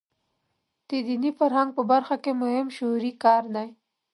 د دیني فرهنګ په برخه کې مهم شعوري کار دی.